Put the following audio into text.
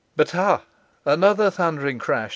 But, ha! another thundering crash.